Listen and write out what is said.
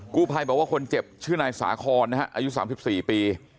กู้ภัยบอกว่าคนเจ็บชื่อนายสาคอนนะฮะอายุ๓๔ปี